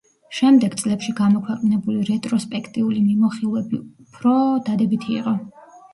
შემდეგ წლებში გამოქვეყნებული რეტროსპექტიული მიმოხილვები უფრო დადებითი იყო.